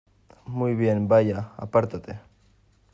Muy bien. Vaya, apártate .